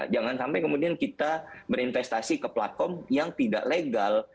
jangan sampai kemudian kita berinvestasi ke platform yang tidak legal